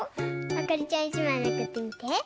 あかりちゃん１まいめくってみて。